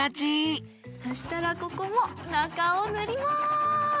そしたらここもなかをぬります！